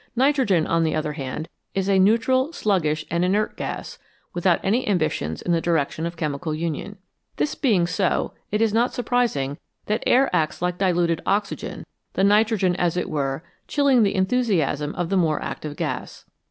Nitrogen, on the other hand, is a neutral, sluggish, and inert gas, without any ambitions in the direction of chemical union. This being so, it is not surprising that air acts like diluted oxygen, the nitrogen, as it were, chilling the enthusiasms of the more active gas.